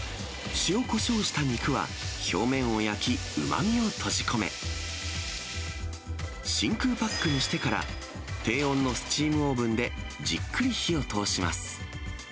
塩こしょうした肉は、表面を焼き、うまみを閉じ込め、真空パックにしてから、低温のスチームオーブンでじっくり火を通します。